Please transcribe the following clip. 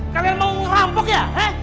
kalian mau merampok ya